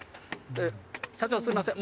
社長、すみません。